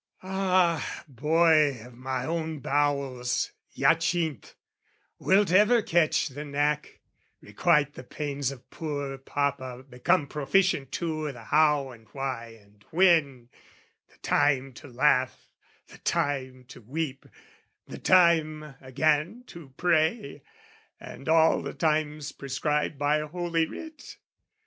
Ah, boy of my own bowels, Hyacinth, Wilt ever catch the knack, requite the pains Of poor papa, become proficient too I' the how and why and when the time to laugh, The time to weep, the time, again, to pray, And all the times prescribed by Holy Writ?